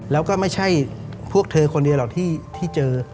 แล้วก็ไม่ใช่พวกเธอคนเดียวหรอกที่เจอ